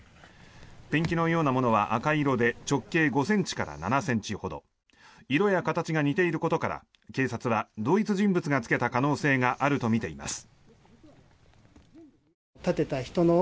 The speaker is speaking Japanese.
ペンキのようなものは赤色で直径５ｃｍから７ｃｍほど色や形が似ていることから警察は同一人物がつけた可能性があるとみています。